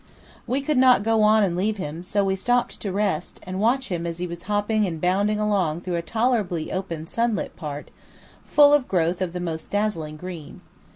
We could not go on and leave him; so we stopped to rest, and watch him as he was hopping and bounding along through a tolerably open sunlit part, full of growth of the most dazzling green.